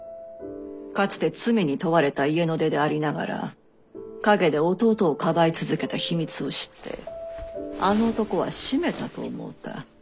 かつて罪に問われた家の出でありながら陰で弟を庇い続けた秘密を知ってあの男はしめたと思うた。